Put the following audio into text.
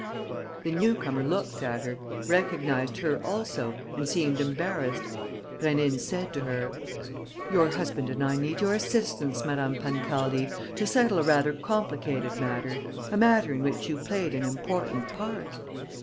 The newcomer looked at her, recognized her also and seemed embarrassed. Rénine said to her: "Your husband and I need your assistance, Madame Pancaldi, to settle a rather complicated matter a matter in which you played an important part...."